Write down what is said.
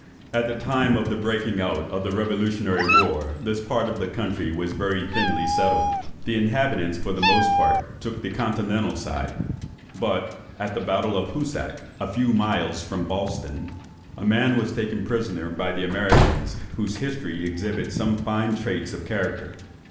At the time of the breaking out of the revolutionary war this part of the country was very thinly settled. The inhabitants for the most part took the continental side; but at the battle of Hoosac, a few miles from Ballston, a man was taken prisoner by the Americans, whose history exhibits some fine traits of character.